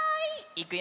いくよ！